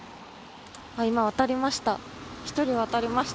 今、渡りました。